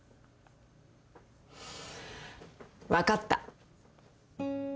分かった。